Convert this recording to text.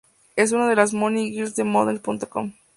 Es una de las Money Girls de models.com.